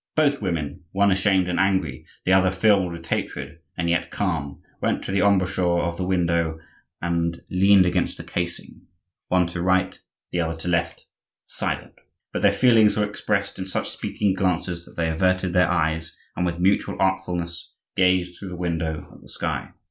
Both women, one ashamed and angry, the other filled with hatred and yet calm, went to the embrasure of the window and leaned against the casing, one to right, the other to left, silent; but their feelings were expressed in such speaking glances that they averted their eyes and, with mutual artfulness, gazed through the window at the sky.